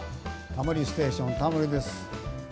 「タモリステーション」タモリです。